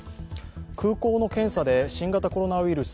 空港の検査で新型コロナウイルス